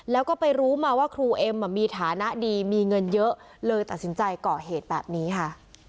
แล้วก็ไปรู้มาว่าครูเอ็มมีฐานะดีมีเงินเยอะเลยตัดสินใจก่อเหตุแบบนี้ค่ะ